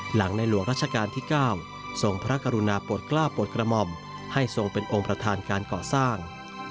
หลังในหลวงรัชกาลที่๙ทรงพระกรุณาโปรดกล้าโปรดกระหม่อมให้ทรงเป็นองค์ประธานการก่อสร้าง